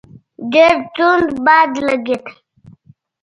ډېر توند باد لګېدی.